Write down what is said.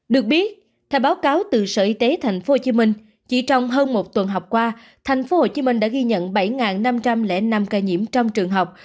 được biết theo báo cáo từ sở y tế tp hcm chỉ trong hơn một tuần học qua tp hcm đã ghi nhận bảy năm trăm linh năm ca nhiễm trong trường học